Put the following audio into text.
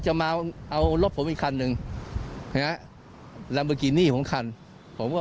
จะมาเอารถผมอีกคันหนึ่งนะฮะลัมเบอร์กินี่ของคันผมก็